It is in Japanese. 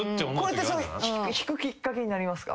これって引くきっかけになりますか？